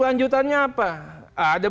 lanjutannya apa ada